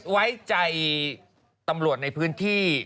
ไว้ใจตำรวจในพื้นที่